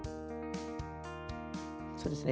そうですね